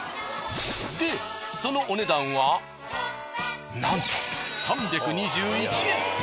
でそのお値段はなんと３２１円。